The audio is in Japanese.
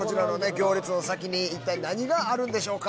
行列の先に一体何があるんでしょうか？